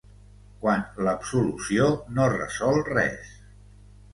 Quan l'absolució no resol res.